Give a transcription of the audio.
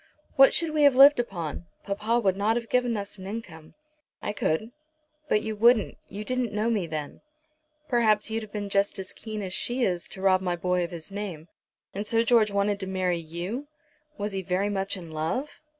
What should we have lived upon? Papa would not have given us an income." "I could." "But you wouldn't. You didn't know me then." "Perhaps you'd have been just as keen as she is to rob my boy of his name. And so George wanted to marry you! Was he very much in love?"